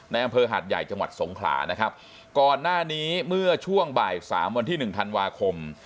อำเภอหาดใหญ่จังหวัดสงขลานะครับก่อนหน้านี้เมื่อช่วงบ่ายสามวันที่หนึ่งธันวาคม